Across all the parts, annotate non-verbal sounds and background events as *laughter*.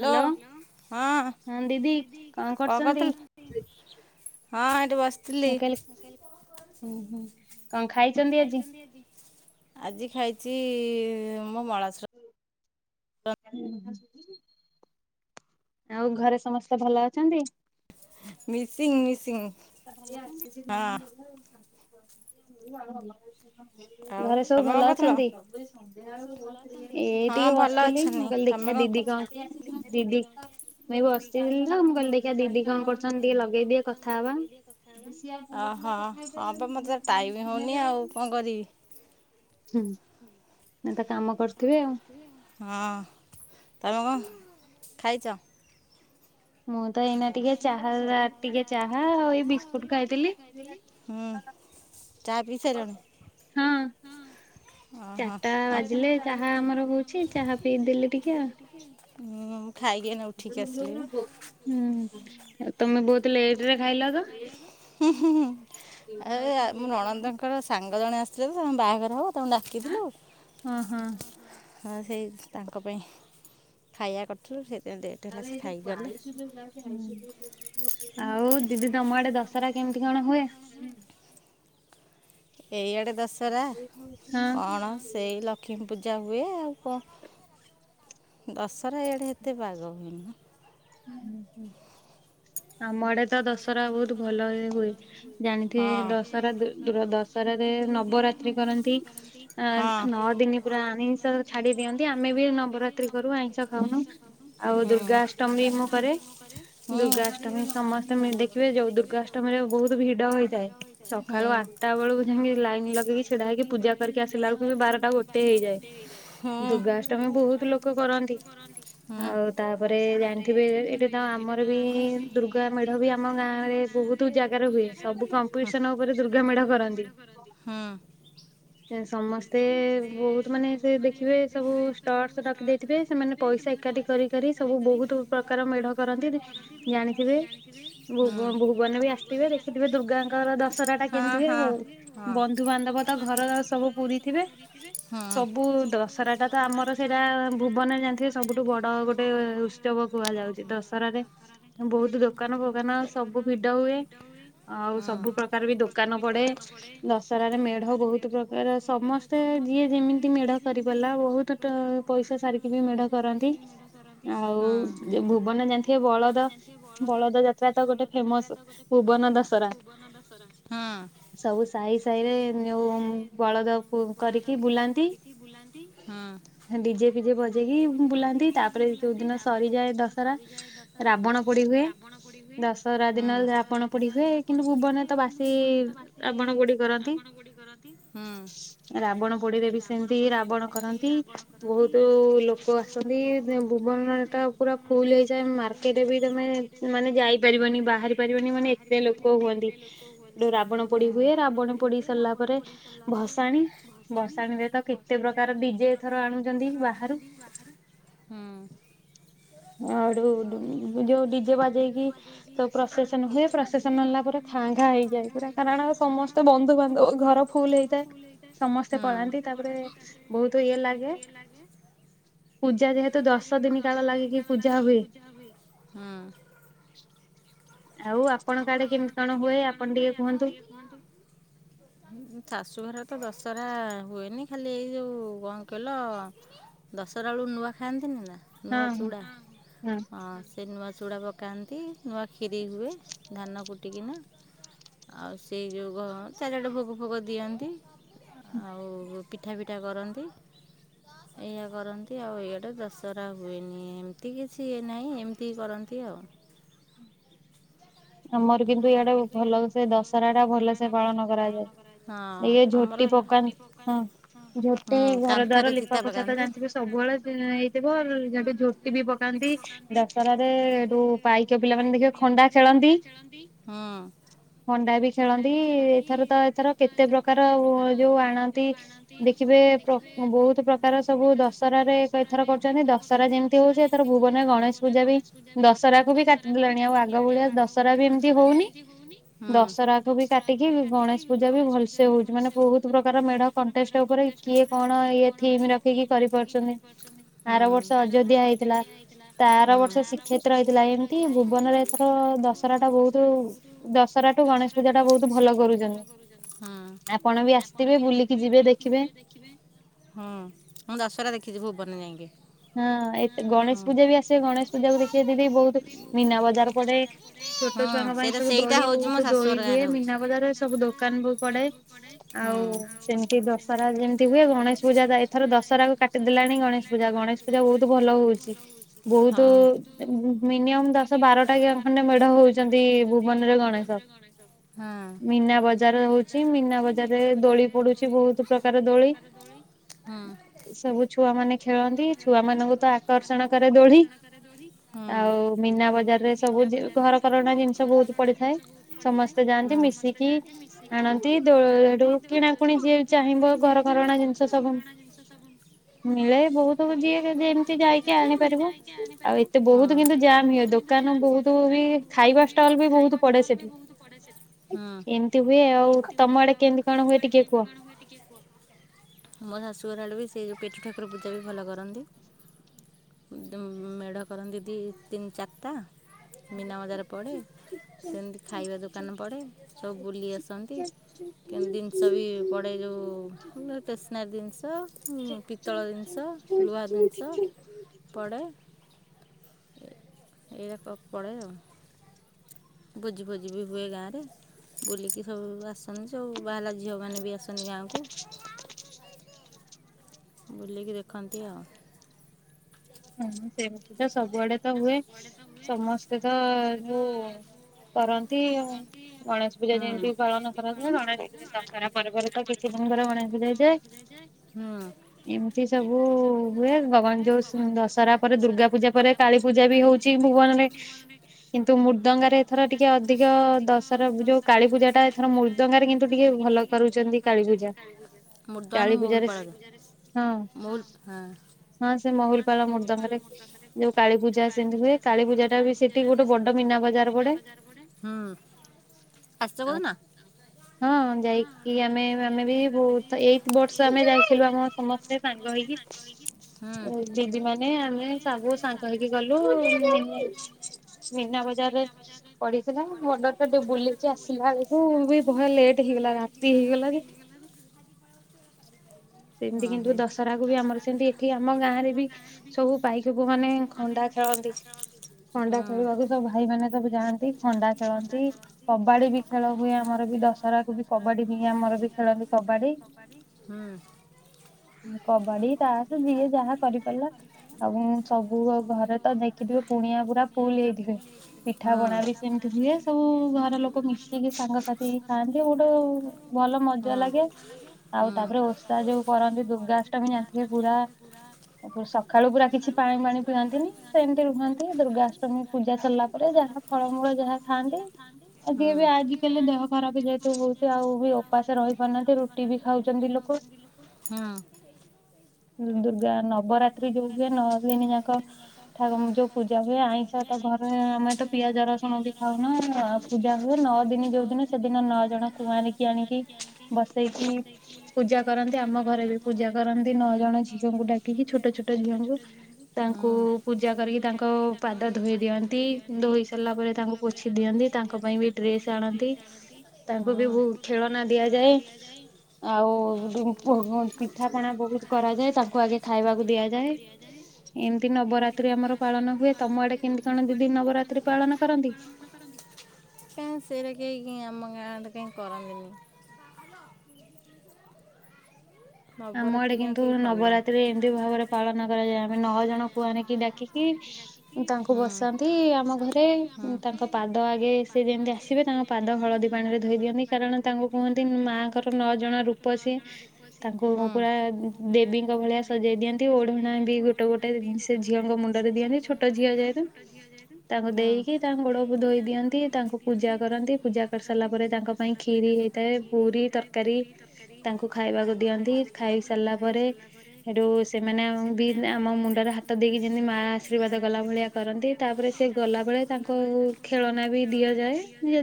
Hello ହଁ ଦିଦି କଣ କରୁଛନ୍ତି? ହଁ ଏଠି ବ ମୁଁ କହିଲ ହୁଁ ହୁଁ କଣ ଖାଇଛନ୍ତି ଆଜି? ଆଜି ଖାଇଛି ଆମ ମଳାସୁର ଆଉ ଘରେ ସମସ୍ତେ ଭଲ ଅଛନ୍ତି? Missing missing. ଆଜି ଆସିଛି ମାମୁଁ, ଘର- ହ ଆ ଘରେ, ସବୁ ଭଲ ଅଛନ୍ତି? ଏ ଟିକେ, ବସିଥିଲି ୲ମୁଁ କହିଲି, ଦେଖିବା ଦିଦି କଣ, ଦିଦି, ମୁଇଁ ବସିଥିଲି ତ, ମୁଁ କହିଲି ଦେଖିବା, ଦିଦି କଣ କରୁଛନ୍ତି, ଟିକେ ଲଗେଇଦିଏ, କଥା ହବା ୲ ଓହୋ, ହଁ ବା, ମତେ ଟାଇମ୍ ହଉନି ଆଉ କଣ, କରିବି ୲ ହୁଁ, ଏନା ତ କାମ କରିଥିବେ, ଆଉ ୲ ତାପ ଖାଇଛ? ମୁଁ- ତ, ଏଇନା ଟିକେ ଚାହା ରା, ଟିକେ ଚାହା, ଆଉ ଏଇ ବିସ୍କୁଟ, ଖାଇଥିଲି ୲ ହଁ, ଚାରିଟା ବାଜିଲେ ଚାହା ଆମର ହଉଛି, ଚାହା ପିଇଦେଲେ, ଟିକେ ଆଉ। ହୁଁ, ତମେ ବହୁତ, ଲେଟରେ ଖାଇଲ, ତ? ବାହାଘର, ହବ? ତାଙ୍କୁ ଡାକିଥିଲ? ହଁ, ସେଇ ତାଙ୍କ ପାଇଁ, ଖାଇବା କରିଥିଲୁ, ସେ ହୁଁ, ଆଉ, ଦିଦି ତମ ଆଡେ, ଦଶହରା କେମିତି କଣ, ହୁଏ? ଏଇଆଡ଼େ ଦଶହରା କଣ, ସେଇ ଲକ୍ଷ୍ମୀ ପୂଜା ହୁଏ, ଆଉ କଣ? ଦସ ଖରା, ଇଆଡ଼େ ଏତେ ବାଗ, ହୁଏନି ନା? ହୁଁ, ହୁଁ, ହୁଁ, ଆମ ଆଡେ ହଁ, ହଁ, ହୁଁ- ହଁ, ମୁଁ ବି କରେ, ଦୁର୍ଗାଷ୍ଟମୀ ସମସ୍ତେ ହୁଁ, ହୁଁ, ହୁଁ- ଏଠିବି, ଏଠି ତ ଆମର ବି ଦୁର୍ଗା, ମା ଦୂର୍ଗା, ବି ଆମ ଗାଁ ରେ ବହୁତ ଜାଗାରେ, ହୁଏ ୲ ସବୁ କମ୍ପିଟିସନ ଉପରେ, ଦୁର୍ଗା ମେଢ କରନ୍ତି। ସମସ୍ତେ ବହୁତ, ମାନେ ସେ ଦେଖିବେ ସବୁ, ଷ୍ଟର୍ଶ ରଖି ଦେଇଥିବେ। ସେମାନେ ପଇସା ଏକାଠି କରି, କରି ସବୁ ବହୁତ ମେଢ କରନ୍ତି, ଜାଣିଥିବେ। ଭୁବ, ଭୁବନ ବି ଆସିଥିବେ, ଦେଖିଥିବେ ଦୁର୍ଗାଙ୍କର, ଦଶହରା ଟା କେମିତିି ହୁଏ। ବନ୍ଧୁ, ବାନ୍ଧବ ତ ଘର ସବୁ ପୁରି ଥିବେ। ସବୁ ଦଶହରା, ଟା ତ ଆମର ସେଇଟା, ଭୁବନରେ ଜାଣିଥିବେ, ସବୁଠୁ ବଡ ଗୋଟେ, ଉତ୍ସବ। କୁହାଯାଉଛି, ଦଶହରାରେ ୲ ବହୁତ ଦୋକାନ, ଫୋକାନ ସବୁ ଭିଡ ହୁଏ ୲ଆଉ, ସବୁ ପ୍ରକାର ବି ଦୋକାନ ପଡେ। ଦଶହରାରେ, ମେଢ ବହୁତ ପ୍ରକାର, ସମସ୍ତେ ଯିଏ ଯେମିତି, ମେଢ କରିପାରିଲା ୲ ବହୁତ, ପଇସା ସାରିକି ବି, ମେଢ କରନ୍ତି ଆଉ ଯେ, ଭୁବନ ଜାଣିଥିବେ, ବଳଦ- ବଳଦ ଯାତ୍ରା ତ ଗୋଟେ ଫେମସ ଭୁବନ ଦଶହରା ସବୁ ସାହି ସାହିରେ ଯଉ ବଳଦ କରିକି ବୁଲାନ୍ତି। ଦଶହରା ରାବଣ ପୋଡି ହୁଏ। ରାବଣ ପୋଡି ହୁଏ। ଦଶହରା ଦିନ ରାବଣ ପୋଡି ହୁଏ। କିନ୍ତୁ ଭୁ ମନ ତ ବାସି ରାବଣ ପୋଡି କରନ୍ତି ରାବଣ ପୋଡିରେେ ବି ସେମିତି ରାବଣ କରନ୍ତି ବହୁତ ଲୋକ ଅଛନ୍ତି *unintelligible* ପୁରା ଫୁଲ ହେଇଯାଏ ମାର୍କେଟରେ ବି ତମେ ମାନେ ଯାଇପାରିବନି ବାହାରି ପାରିବନି ମାନେ ଏତେ ଲୋକ ହୁଅନ୍ତି। ଯଉ ରାବଣ ପୋଡି ହୁଏ। ରାବଣ ପୋଡି ସରିଲା ପରେ ଭସାଣି ଭସାଣି ରେ ତ କେତେ ପ୍ରକାର ଡିଜେ ଥର ଆଣୁଛନ୍ତି ବାହାରୁ। ଆଡ ଯଉ *unintelligible* ଦେଇକି ତୋ ପ୍ରସେସନ ହୁଏ ପ୍ରସେସନ ହେଲା ପରେ ଖାଁ ଘାଁ ଦଶ ଦିନ କାଳ ଲାଗିକି ପୂଜା ହୁଏ ହଁ। *inaudible* ଆଉ ଆପଣଙ୍କ ଆଡେ କେମତି କଣ ହୁଏ ଆପଣ ଟିକେ କୁହନ୍ତୁ। ଶାଶୁଘାର ତ ଦଶହରା ହୁଏନି ଖାଲି ଏଇ ଯେଉ କଣ କିଲ ଦଶହରା ବେଳୁ ନୂଆ ଖାଆନ୍ତିନି ନା‌ ନୂଆ ଚୂଡ଼ା ହ ସେ ନୂଆ ଚୁଡ଼ା ପକାନ୍ତି ନୂଆ ଖିରି ହୁଏ ଧାନ କୁଟି ଟିଗିନା ଆଉ ସେଇ ଯୋଉ ଘ ଚାରିଆଡେ ଭୋଗ ଫୋଗ ଦିଅନ୍ତି ଆଉ ପିଠା ପିଠା କରନ୍ତି ଏଇଆ କରନ୍ତି ଆଉ ଏଇଆଡେ ଦଶହରା ହୁଏନି ଏମିତି କିଛି ୟେ ନାହିଁ ଏମିତି କରନ୍ତି ଦିଅ ଆମର କିନ୍ତୁ ଇଆଡେ ଭଲ ସେ ଦଶରାଟା ଭଲ ସେ ପାଳନ କରାଯାଏ। ଏ ଝୋଟି ପକା ହଁ ଝୋଟି ଘର ଦ୍ବାର ଲିପା ପୋଛାତ ଜାଣିଥିବେ ସବୁବେଳେ ହେଇଥିବ କିନ୍ତୁ ଝୋଟି ବି ପକାନ୍ତି। ଦଶରାରେ ଏଠୁ ପାଇକ ପିଲାମାନେ ନୁହଁ ଖଣ୍ଡା ଖେଳନ୍ତି। ଖେଳନ୍ତି। ହଣ୍ଡା ବି ଖେଳନ୍ତି ଏଥର ତ ଏଥର କେତେ ପ୍ରକାର ଏଯୋଉ ଆଣନ୍ତି ଦେଖିବେ ପ୍ର ବହୁତ ପ୍ରକାର ସବୁ ଦଶରାରେ ଏଥର କରୁଛନ୍ତି ଦଶରା ଯେମିତି ହଉଛି ଏଥର ଭୁବନେ ଗଣେଶ ପୂଜା ବି ଦଶରା କୁ ବି କାଟିଦେଲାଣି ଆଉ ଆଗ ଭଳିଆ ଦଶ *unintelligible* *unintelligible* ଏନ୍ତି ହଉନି ହୁଁ ଦଶରାକୁୁ ବି କାଟିକି ଗଣେଶ ପୂଜା ବି ଭଲସେ ହଉଛି ମାନେ ବହୁତ ପ୍ରକାର ମେଢ଼ କଣ୍ଟେଷ୍ଟ ଉପରେ କିଏ କଣ ଇଏ ଥିମ ରଖିକି କରିପାରୁଛନ୍ତି ହୁଁ ଆର ବର୍ଷ ଅଯୋଧ୍ୟା ହେଇଥିଲା, ହୁଁ ତା ଆର ବର୍ଷ ଶିଖେତ୍ର ହେଇଥିଲା ଏମିତି ଭୁବନରେ ଏଥର ଦଶ ଦଶରାଟା ବହୁତୁ ଦଶରାଠୁ ଗଣେଶ ପୂଜାଟା ବହୁତ ଭଲ କରୁଚନ୍ତି। ହୁଁ, ଆପଣ ବି ଆସିବେ ବୁଲିକି ଯିବେ ଦେଖିବେ। ହୁଁ, ମୁଁ ଦଶରା ଦେଖିଚି ଭୁବନ *unintelligible* ହଁ ଏତ ଗଣେଶ ପୂଜା ବି ଆସେ ଗଣେଶ ପୂଜାକୁ ଦେଖିବେ ଦିଦି ବହୁତ ମୀନା ବଜାର ପଡେ। ଛୋଟ ଛୁଆଙ୍କ ପାଇଁ ସବୁ ଦୋଳି ବହୁତ ଦୋଳି ହୁଏ, ମୀନା ବଜାରର ସବୁ ଦୋକାନ ବି ପଡେ ଆଉ ସେମିତି ଦଶରା ଯେମିତି ହୁଏ ଗଣେଶ ପୂଜା ଯାଏ ଏଥର ଦଶରାକୁ କାଟିଦେଲାଣି ଗଣେଶ ପୂଜା ଗଣେଶ ପୁରା ବହୁତ ଭଲ ହଉଛି। ବହୁତୁ ମିନିଅମ ଦଶ ବାରଟା ଜାଗାରେ ଖଣ୍ଡେ ମେଢ ହଉଛି। ଯେନ୍ତି ଭୁବନରେ ଗଣେଷ। ମୀନା ବଜାର ହଉଛି ମୀନା ବଜାରରେ ଦୋଳି ପଡୁଛି ବହୁତ ପ୍ରକାର ଦୋଳି ସବୁ ଛୁଆ ମାନେ ଖେଳନ୍ତି। ଛୁଆ ମାନଙ୍କୁ ତ ଆକର୍ଷଣ କରେ ଦୋଳି ଆଉ ମୀନା ବଜାରରେ ସବୁ ଘର କରଣା ଜିନିଷ ବହୁତ ପଡିଥାଏ ସମସ୍ତେ ଯାଆନ୍ତି ମିଶିକି ଆଣନ୍ତି ଦୋ ହେଠୁ କିଣାକୁଣି ଯିଏ ଚାହିଁବ ଘରକରଣା ଜିନିଷ ସବୁ ମିଳେ ବହୁତ ସବୁ ଯିଏ ଯେମିତି ଯାଇକି ଆଣିପାରିବ ଆଉ ଏତେ ବହୁତ କିନ୍ତୁ ଜାମ୍ ହୁଏ ଦୋକାନ ବହୁତୁ ବି ବହୁତ ବି ଖାଇବା ଷ୍ଟଲ୍ ବି ବହୁତ ପଡେ ସେଠୀ ହୁଁ ଏମିତି ହୁଏ ଆଉ ତମ ଆଡେ କେନ୍ତି କଣ ହୁଏ ଟିକେ କୁହ ମୋ ଶାଶୁଘର ଆଡେ ସେଉ ପେଠୁ ଠାକୁର ପୂଜା ବି ଭଲ କରନ୍ତି ମେଢ଼ କରନ୍ତି ଦୁଇ ତିନି ଚାରିଟା। ମୀନା ବଜାର ପଡ଼େ ସେମିତି ଖାଇବା ଦୋକାନ ପଡ଼େ ସବୁ ବୁଲି ଆସନ୍ତି କେମତି ଜିନିଷ ବି ପଡ଼େ ଯୋଉ ଟେସନାରୀ ଜିନିଷ ପିତ୍ତଳ ଜିନିଷ ଲୁହା ଜିନିଷ। ପଡ଼େ ଏଇରକ ପଡେ ଆଉ ଭୋଜି ଭୋଜି ବି ହୁଏ ଗାଁରେ ବୁଲିକି ସବୁ ଆସନ୍ତି ସବୁ ବାହେଲା ଝିଅମାନେ ବି ଆସନ୍ତି ଗାଁକୁ। ବୁଲିକି ଦେଖନ୍ତି ଆଉ। ହଁ ସେମତି ତ ସବୁଆଡେ ହୁଏ ସମସ୍ତେ ତ ଯୋଉ କରନ୍ତି ଗଣେଶ ପୂଜା ଯେମିତି ପାଳନ କରାଯାଏ ଗଣେଶ ପୂଜାରା ପବରେ ତ କେଛି ଦିନଙ୍କର ଗଣେଶ ପୂଜା ହେଇଯାଏ ଏମିତି ସବୁ ହୁଏ ଗଗନ ଯୋ ଦଶରା ପରେ ଦୁର୍ଗା ପୂଜା ପରେ କାଳୀ ପୂଜା କାଳୀ ପୂଜା ବି ହଉଛି ମୁଁ କିନ୍ତୁ ମୃଦଙ୍ଗରେଥର ଟିକେ ଅଧିକ ଦଶହ ଯୋଉ କାଳୀ ପୂଜା ଟାଥର ମୃଦଙ୍ଗାରେରେ କିନ୍ତ ଟିକେ ଭଲ କରୁଛନ୍ତିା ମୃଦଙ୍ଗ ମହୁଲଳୂ ମୃଦଙ୍ଗ ରେ ଯୋଉ କାଳି ସେମତି ହୁଏ କାଳୀ ପୂଜା ଟା ବି ସେଠି ଗୋଟେ ବଡ ମୀନା ବଜାର ପଡେ ଆ ହଁ ଯାଇକି ଆମେ ଆମେ ବି ବହୁତ ଏଇ ବର୍ଷ ଆମେ ଯାଇଥିଲୁ ଆମ ସମସ୍ତେ ସାଙ୍ଗ ହେଇକି ଦିଦି ମାନେ ଆମେ ସବୁ ସାଙ୍ଗ ଗ ମନା ବଜାରରେ ପଡିଥିଲା ଅର୍ଡର ଟା ଟିକେ ବୁଲିକି ଆସିଲା ବେଳକୁ ବି ବହେ ଲେଟ୍ ହେଇଗଲା ରାତି ହେଇଗଲା ଯେ ସେମିତି କିନ୍ତୁ ଦଶହରା କୁ ବି ଆମର ସେମତି ଏଠି ଆମ ଗାଁରେ ବି ସବୁ ପାଇକ ପଅ ମାନେ। ଖଣ୍ଡା ଖେଳନ୍ତି ଖଣ୍ଡା ଖେଳିବାକୁ ସବୁ ଭାଇ ମାନ ସବୁ ଯାଆନ୍ତି ଖଣ୍ଡା ଖେଳନ୍ତି କବାଡି ବି ଖେଳ ହୁଏ ଆମର ବି ଦଶହରାକୁୁ ବି କବାଡି ବି ଆମର ବି ଖେଳନ୍ତି କବାଡି। କବାଡି ତାସ ଯିଏ ଯାହା କରିପାରିଲା ଆଉ ସବୁ ଘରେ ତ ଦେଖିଥିବେ କୁଣିଆ ପୁରା ଫୁଲ ହେଇଥିବେ ପିଠା ପଣା ବି ସେମିତି ହୁଏ ସବୁ ଘର ଲୋକ ମିଶିକି ସାଙ୍ଗ ସାଥି ହେ ଖାଆନ୍ତି ଗୋଟେ ଭଲ ମଜା ଲାଗେ ଆଉ ତାପରେ ଯୋଉ କରନ୍ତି ଦୁର୍ଗାଷ୍ଟମୀ ଯାଣିଥିବେ ପୁରା ସକାଳୁ ପୁରା କିଛି ପାଣି ପାଣି ଖୁଆନ୍ତିନି ସେମିତି ରୁହନ୍ତି ଦୁର୍ଗାଷ୍ଟମୀ ପୂଜା ସରିଲା ପରେ ଯାହା ଫଳମୂଳ ଯାହା ଖାଆନ୍ତି ଆ ଯିଏ ବି ଆଜିକାଲି ଦେହ ଖରାପ ଯେହତୁ ହଉଛି ଆଉ ବି ଉପାସ ରହି ପାରୁନାହାନ୍ତି ରୁଟି ବି ଖାଉଛନ୍ତି ଲୋକ ଦୁର୍ଗା ନବରାତ୍ରି ଯୋଉ ହୁଏ ନଅ ଦିନ ଯାକ ଠାକୁ ଯୋଉ ପୂଜା ହୁଏ ଆଇଁଷହିତ ଘରେ ଆମେ ତ ପିଆଜ ରସୁଣ ବି ଖାଉନା ଆ ପୂଜା ହୁଏ ନଅ ଦିନ ଯୋଉ ଦିନ ସେଦିନ ନଅ ଜଣ କୁଆରିକି ଆଣିକି ବସେଇକି ପୂଜା କରନ୍ତି ଆମ ଘରେ ବି ପୂଜା କରନ୍ତି ନଅ ଜଣ ଝିଅଙ୍କୁ ଡାକିକି ଛୋଟ ଛୋଟ ଝିଅଙ୍କୁ ତାଙ୍କୁ ପୂଜା କରିକି ତାଙ୍କ ପାଦ ଧୋଇ ଦିଅନ୍ତି ଧୋଇ ସାରିଲା ପରେ ତାଙ୍କୁ ପୋଛି ଦିଅନ୍ତି ତାଙ୍କ ପାଇଁ ବି ଡ୍ରେସ ଆଣନ୍ତି ତାଙ୍କୁ ବି ବ ଖେଳନା ଦିଆଯାଏ ଆଉ ପିଠା ପଣା ବହୁତ କରାଯାଏ ତାଙ୍କୁ ଆଗେ ଖାଇବାକୁ ଦିଆଯାଏ। ଏମିତି ନବରାତ୍ରି ଆମର ପାଳନ ହୁଏ ତମ କୁଆଡେ କେମତି କଣ ଦ ନବରାତ ପାଳନ କଣ କରନ୍ତି କ ସେଇଟ ଆମ ଗାଁରେ କାଇଁ କରନ୍ତିିନି। ଆମ ଆଡେ କିନ୍ତୁ ନବରାତ୍ରିରେ ଏମିତି ଭାବରେ ପାଳନ କରାଯାଏ ଆମେ ନଅ ଜଣ କୁଆ ନେଇେକି ଡାକିକି ତାଙ୍କୁ ବସାନ୍ତି। ଆମ ଘରେ ତାଙ୍କ ପାଦ ଆଗେ ସେ ଯେମିତି ଆସିବେ ତାଙ୍କ ପାଦ ହଳଦୀ ପାଣି ରେ ଧୋଇ ଦିଅନ୍ତି। କାରଣ ତାଙ୍କୁ କୁହନ୍ତି ମାଙ୍କର ନଅ ଜଣ ରୂପ ସିଏ। କୁକୁଦେବୀଙ୍କ ଭଳିଆ ସଜେଇ ଦିଅନ୍ତି। ଓଢଣା ବି ଗୋଟେ ଗୋଟେ ସେ ଝିଅଙ୍କ ମୁଣ୍ଡରେ ଦିଅନ୍ତି। ଛୋଟ ଝିଅ ଯହତୁ ତାଙ୍କୁ ଦେଇକି ତା ଗୋଡ ଧୋଇ ଦିଅନ୍ତି। ତାଙ୍କୁ ପୂଜା କରନ୍ତି ପୂଜା କରି ସାରିଲା ପରେ ତାଙ୍କ ପାଇଁ ଖ୍ଷିରି ହେଇଥାଏ ପୁରୀ ତରକାରୀ ତାଙ୍କୁ ଖାଇବାକୁ ଦିଅନ୍ତି ଖାଇ ସାରିଲା ପରେ ସେଠୁ ସେମାନେ ବି ଆମ ମୁଣ୍ଡରେ ହାତ ଦେଇକି ଯେମିତି ମା ଆଶୀର୍ବାଦ ଗଲା ଭଳିଆ କରନ୍ତି। ତାପରେ ସେ ଗଲା ବଳେ ତାଙ୍କୁ ଖେଳନା ବି ଦିଆଯାଏ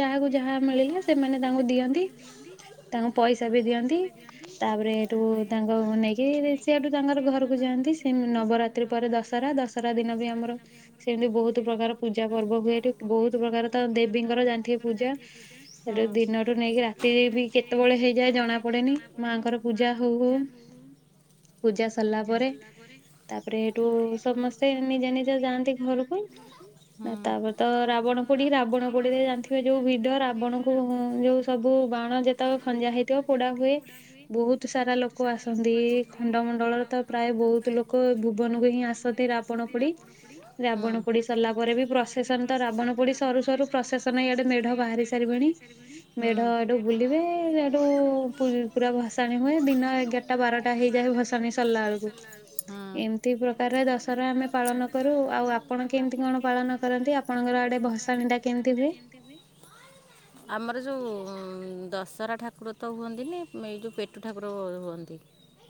ଯାହାକୁ ଯାହା ମିଳିଲା ସେମାନେ ତାଙ୍କୁ ଦିଅନ୍ତି। ତାଙ୍କୁ ପଇସା ବି ଦିଅନ୍ତି। ତାପରେ ଏଠୁ ତାଙ୍କ ନେଇକି ସେଠୁ ତାଙ୍କର ଘରକୁ ଯାଆନ୍ତି। ସେ ନବରାତ୍ରି ପରେ ଦଶହରା ଦଶହରା ଦିନ ବି ଆମର ସେମିତି ବହୁତ ପ୍ରକାର ପୂଜା ପର୍ବ ହୁଏଠି ବହୁତ ପ୍ରକାର ତ ଦେବୀଙ୍କର ଯାଆଥିବେ ପୂଜା ସେଠୁ ଦିନଠୁ ନେଇକି ରାତି ବି କେତେବେଳେ ହେଇଯାଏ। ଜଣା ପଡେନି ମାଙ୍କର ପୂଜା ହଉ ପୂଜା ସରିଲା ପରେ ତାପରେ ଏଇଠୁ ସମସ୍ତେ ନିଜେ ନିଜେ ଯାଆନ୍ତି। ଘରକୁ ତାପରେ ତ ରାବଣ ପୋଡି ରାବଣ ପୋଡିରେ ଜାଣିଥିବେ ଯୋଉ ଭିଡ ରାବଣକୁ ଯୋଉ ସବୁ ବାଣ ଯେତେବେଳେ ଖଞ୍ଜା ହେଇଥିବ ପୋଡା ହୁଏ। ବହୁତ ସାରା ଲୋକ ଆସନ୍ତି କୁଣ୍ଡମଣ୍ଡଳରେ ତ ପ୍ରାୟ ବହୁତ ଲୋକ ଭୁବନକୁ ହିଁ ଆସନ୍ତି ରାବଣ ପୋଡି ରାବଣ ପୋଡି ସରିଲା ପରେ ବି ପ୍ରଶାସନ ତ ରାବଣ ପୋଡି ସରୁ ସରୁ ପ୍ରଶାସନ ଏଇଆଡେ ମେଢ ବାହାରି ସାରିବେଣି ମେଢ ଭଷାଣି ହୁଏ ଦିନ ଏଗାରଟା ବାରଟା ହେଇଯାଏ ଭଷାଣି ସରିଲା ବଳ ଏମତି ପ୍ରକାର ରର ଆମେ ପାଳନ କରୁ ଆଉ ଆପଣ କେମତି କଣ ପାଳନ କରନ୍ତି ଆପଣଙ୍କର ଆଡେ ଘସା ବିନ୍ଧା କେମତି ହୁ ଆମର ଯୋଉ ଦଶହରା ଠାକୁର ତ ହୁଅନ୍ତିନି ଏଇ ଯୋଉ ଠାକୁର ହୁଅନ୍ତି।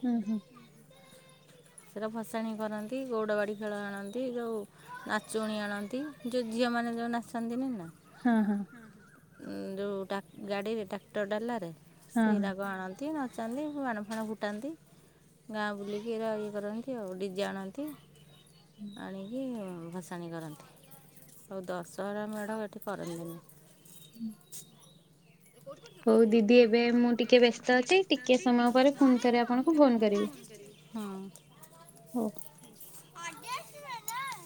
ହୁଁ ହୁଁ। ସେଟା ଫସାଣି କରନ୍ତି ଗୌଡ଼ବାଡ଼ି ଖେଳ ଆଣନ୍ତି ଯେଉଁ ନାଚୁଣୀ ଆଣନ୍ତି ଯେଉଁ ଝିଅମାନେ ଯେଉଁ ନାଚନ୍ତିନି ନା। ଯେଉଁ ଗାଡ଼ିରେ ଟ୍ରାକ୍ଟର ଡାଲାରେ ସେଳା ଗଣ ଆନ୍ତି ନା ନ୍ତି ବାଣ ଫାଣ ଫୁଟାନ୍ତି ଗାଁ ବୁଲିକି ର କରନ୍ତି ଆଉେ ଆଣନ୍ତି। ଆଣିକି ଭସାଣି କରନ୍ତି ଆଉ ଦଶହରା ମେଡ଼ ଏଠି କରନ୍ତିନି? ହଉ ଦିଦି ଏ ମୁଁ ଟିକେ ବ୍ୟସ୍ତ ଅଛି ଟିକେ ସମୟ ପରେ ପୁଣି ଥରେ କରିଵି। ହଉ